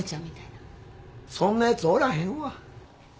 そんなヤツおらへんわ。